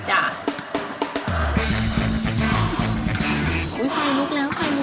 ใบทิวอิ๊บ